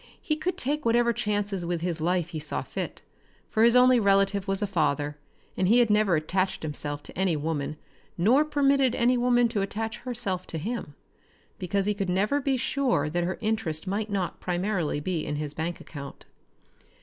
He could take whatever chances with his life he saw fit, for his only relative was a father, and he had never attached himself to any woman nor permitted any woman to attach herself to him because he could never be sure that her interest might not primarily be in his bank account.